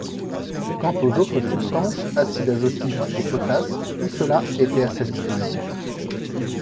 Quant aux autres substances, acide azotique et potasse, tout cela était à sa disposition.